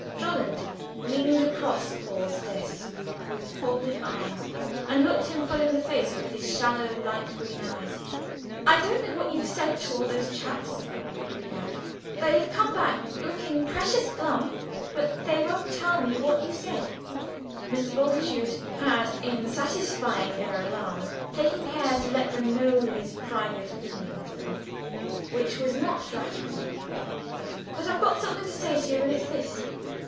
Jolland leaned across Paul's desk with folded arms and looked him full in the face with his shallow light green eyes. "I don't know what you've said to all those chaps," he began; "they've come back looking precious glum, but they won't tell me what you said," (Mr. Bultitude had in satisfying their alarm taken care to let them know his private opinion of them, which was not flattering), "but I've got something to say to you, and it's this.